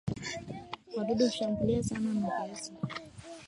wadudu hushambulia sana na viazi